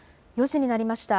４時になりました。